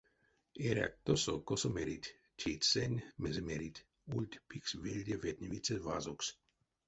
Эряк тосо, косо мерить, тейть сень, мезе мерить, ульть пикс вельде ветневиця вазокс.